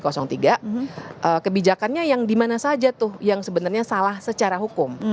kebijakannya yang dimana saja tuh yang sebenarnya salah secara hukum